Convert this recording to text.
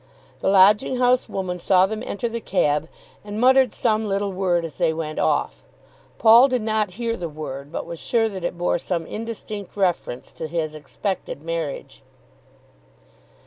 The lodging house woman saw them enter the cab, and muttered some little word as they went off. Paul did not hear the word, but was sure that it bore some indistinct reference to his expected marriage.